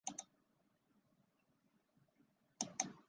苏克现在是克罗地亚足协主席。